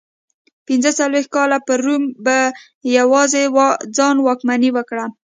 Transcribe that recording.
پنځه څلوېښت کاله پر روم په یوازې ځان واکمني وکړه.